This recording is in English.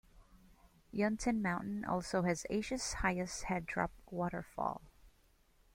Yuntain Mountain also has Asia's highest head drop waterfall.